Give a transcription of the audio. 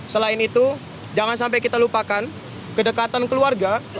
selain itu jangan sampai kita lupakan kedekatan keluarga